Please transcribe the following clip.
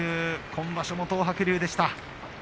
今場所も東白龍でした。